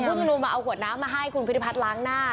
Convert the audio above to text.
กลุ่มผู้ชนมมาเอาขวดน้ำมาให้คุณภูทิพัทรล้างหน้า